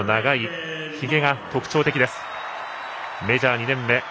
メジャー２年目。